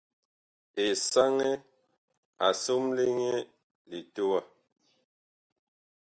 Esanɛ a somle nyɛ litowa.